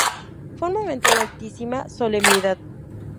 Fue un momento de altísima solemnidad.